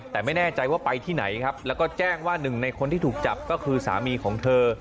แต่ไม่แน่ใจว่าไปที่ไหนครับแล้วก็แจ้งว่าหนึ่งในคนที่ถูกจับก็คือสามีของเธอ